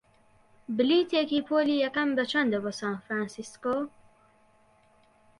بلیتێکی پۆلی یەکەم بەچەندە بۆ سان فرانسیسکۆ؟